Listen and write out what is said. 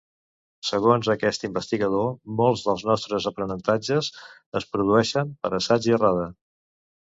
Segons aquest investigador, molts dels nostres aprenentatges es produeixen per assaig i errada